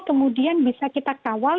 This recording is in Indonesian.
kemudian bisa kita kawal